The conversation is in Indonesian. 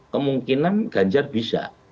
kemungkinan ganjar bisa